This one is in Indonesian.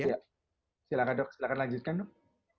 ya silakan dok silakan lanjutkan dok